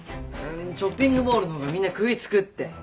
ショッピングモールの方がみんな食いつくって。